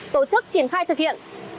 tổ chức triển khai thực hiện